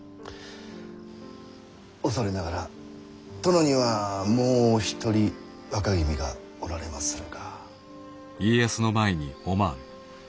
恐れながら殿にはもうお一人若君がおられまするが。